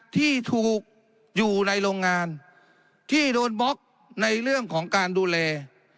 ที่ถูกอยู่ในโรงงานที่โดนบล็อกในเรื่องของการดูแล